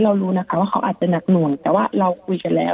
รู้นะคะว่าเขาอาจจะหนักหน่วงแต่ว่าเราคุยกันแล้ว